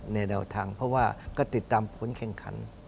แนวทางเพราะว่าก็ติดตามผลแข่งขัน